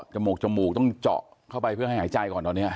มูกจมูกต้องเจาะเข้าไปเพื่อให้หายใจก่อนตอนนี้